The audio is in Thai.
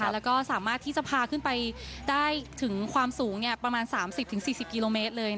แล้วก็สามารถที่จะพาขึ้นไปได้ถึงความสูงประมาณ๓๐๔๐กิโลเมตรเลย